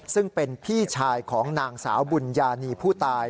ซึ่งเป็นพี่ชายของนางสาวบุญญานีผู้ตาย